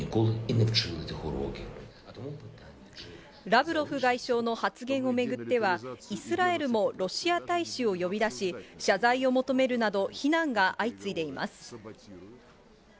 ラブロフ外相の発言を巡っては、イスラエルもロシア大使を呼び出し、謝罪を求めるなど非難が相次いでいます。